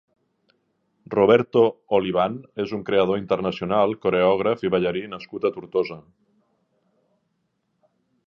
Roberto Olivan és un creador internacional Coreògraf i ballarí nascut a Tortosa.